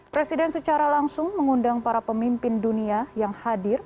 presiden secara langsung mengundang para pemimpin dunia yang hadir